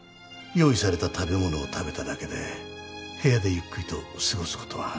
用意された食べ物を食べただけで部屋でゆっくりと過ごすことはなかった。